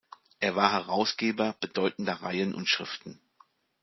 Er war Herausgeber bedeutender Reihen und Schriften.